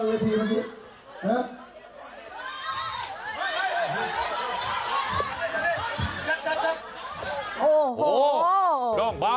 น้องเบาเคลื่อนมาขึ้นมาบนวันที